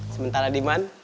sementara di man